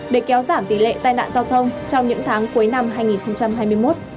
để kéo giảm tỷ lệ tai nạn giao thông trong những tháng cuối năm hai nghìn hai mươi một